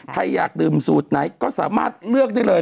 ใครอยากดื่มสูตรไหนก็สามารถเลือกได้เลย